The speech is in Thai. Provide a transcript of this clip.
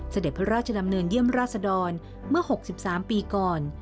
เสด็จพระราชดำเนินเยี่ยมราชดรเมื่อ๖๓ปีก่อน